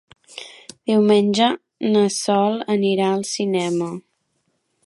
Diumenge na Sol anirà al cinema.